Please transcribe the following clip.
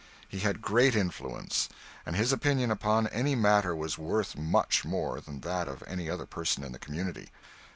He had great influence, and his opinion upon any matter was worth much more than that of any other person in the community.